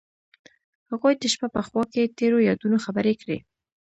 هغوی د شپه په خوا کې تیرو یادونو خبرې کړې.